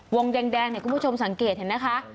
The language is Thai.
วงแดงเนี่ยคุณผู้ชมสังเกตเห็นนะคะ